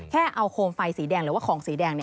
แค่เอาโคมไฟสีแดงหรือว่าของสีแดง